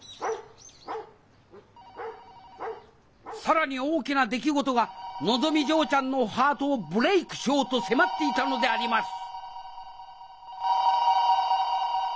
・☎・更に大きな出来事がのぞみ嬢ちゃんのハートをブレークしようと迫っていたのであります！